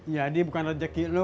ya di bukan rejeki lo